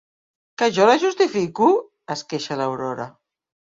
Que jo la justifico? —es queixa l'Aurora.